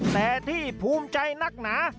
แต่ที่ภูมิใจนักหนา